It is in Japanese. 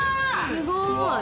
すごい！